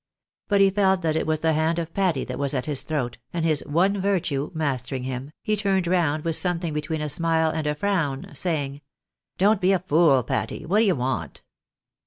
But he felt that it was the hand of Patty that was at his throat, and his " one virtue " mastering him, he turned round with something between a smile and a frown, saying —" Don't be a fool, Patty. What d'ye want